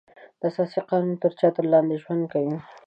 د اساسي قانون تر چتر لاندې ژوند کوي.